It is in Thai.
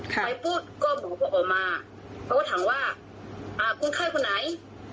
ไปพูดก็หมอเขาออกมาเขาก็ถามว่าอ่าคุณไข้คุณไหน